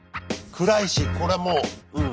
暗いしこれもう。